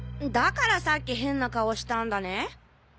だからさっき変な顔したんだね。